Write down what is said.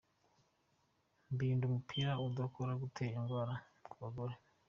Birinda umubiri udukoko dutera indwara ku bagore.